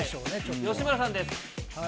吉村さんです。